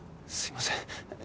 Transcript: すいません。